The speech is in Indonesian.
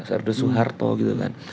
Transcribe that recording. orde suharto gitu kan